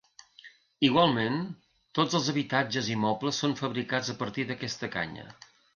Igualment, tots els habitatges i mobles són fabricats a partir d'aquesta canya.